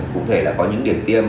cụ thể là có những điểm tiêm